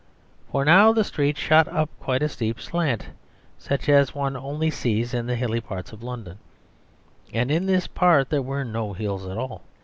For now the street shot up quite a steep slant, such as one only sees in the hilly parts of London, and in this part there were no hills at all.